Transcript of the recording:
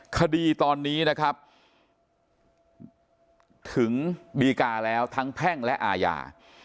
คดีตอนนี้นะครับถึงดีกาแล้วทั้งแพ่งและอาญา